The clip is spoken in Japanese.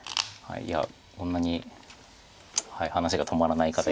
いやこんなに話が止まらない方。